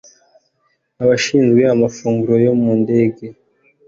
abashinzwe amafunguro yo mu ndege